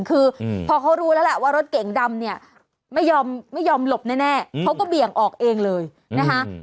คือพอเขารู้แล้วแหละว่ารถเก๋งดำเนี่ยไม่ยอมไม่ยอมหลบแน่เขาก็เบี่ยงออกเองเลยนะคะ